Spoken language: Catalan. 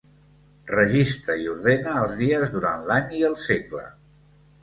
Registra i ordena els dies durant l'any i el segle.